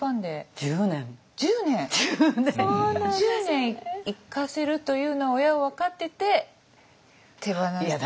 １０年行かせるというのを親は分かってて手放した？